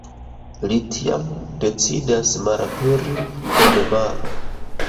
Li tiam decidas malaperi en maro.